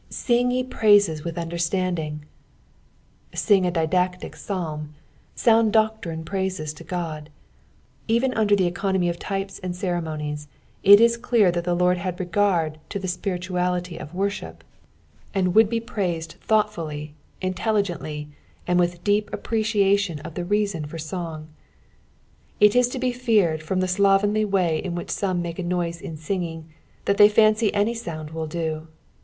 " Sing ye praieei with wderttanding." Bing a didactic Psalm. Sound doctrine praises God. Even under the economy of trpes and ceremonies, it ia clear that the Lord had regard to the spirituulity of woAbip, and would bo 396 BXP0SITI0S8 OF THE P8ALUS. praised thuughtfully, intelligentlj, uid with deep appTeciation of the reason for aoDg. It is to be feared from the eluvrnly wa; in which some make a noise in singing, that thej fancy any BODnd will do.